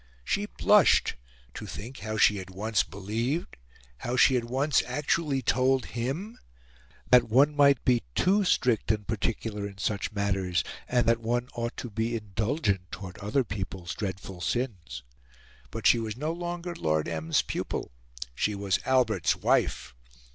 She blushed to think how she had once believed how she had once actually told HIM that one might be too strict and particular in such matters, and that one ought to be indulgent towards other people's dreadful sins. But she was no longer Lord M's pupil: she was Albert's wife.